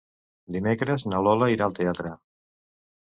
Dimecres na Lola irà al teatre.